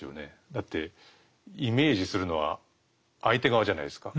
だってイメージするのは相手側じゃないですか。